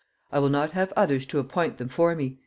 I will not have others to appoint them for me."